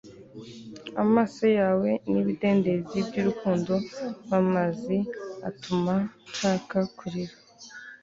amaso yawe ni ibidendezi byurukundo rwamazi atuma nshaka kurira